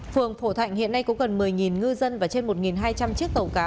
phường phổ thạnh hiện nay có gần một mươi ngư dân và trên một hai trăm linh chiếc tàu cá